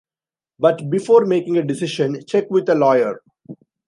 But, before making a decision, check with a lawyer.